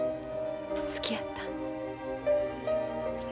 好きやった？